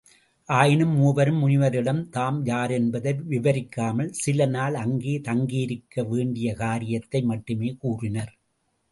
ஆயினும் மூவரும் முனிவரிடம் தாம் யாரென்பதை விவரிக்காமல் சில நாள் அங்கே தங்கியிருக்க வேண்டிய காரியத்தை மட்டுமே கூறினர்.